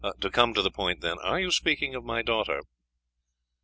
To come to the point, then, are you speaking of my daughter?"